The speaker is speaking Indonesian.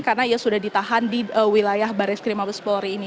karena ia sudah ditahan di wilayah bares krim mabes polri ini